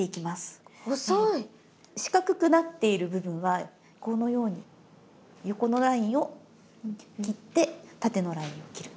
四角くなっている部分はこのように横のラインを切って縦のラインを切る。